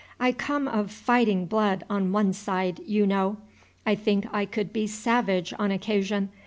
I come of fighting blood on one side, you know; I think I could be savage on occasion.